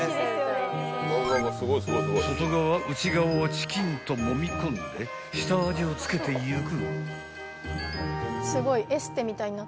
［外側内側をチキンともみ込んで下味を付けていく］